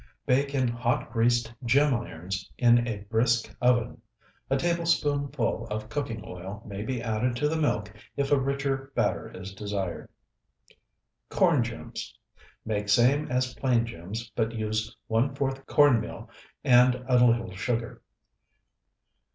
Bake in hot greased gem irons in a brisk oven. A tablespoonful of cooking oil may be added to the milk if a richer batter is desired. CORN GEMS Make same as plain gems, but use one fourth corn meal and a little sugar.